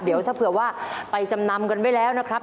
เดี๋ยวถ้าเผื่อว่าไปจำนำกันไว้แล้วนะครับ